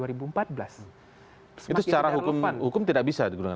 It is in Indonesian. itu secara hukuman hukum tidak bisa digunakan